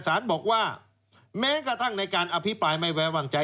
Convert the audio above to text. บอกว่าแม้กระทั่งในการอภิปรายไม่ไว้วางใจ